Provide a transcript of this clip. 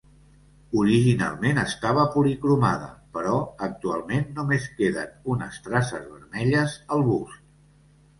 Originalment estava policromada, però actualment només queden unes traces vermelles al bust.